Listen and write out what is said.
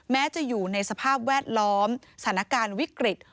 แม้จะอยู่ในสภาพแวดล้อมสถานการณ์วิกฤต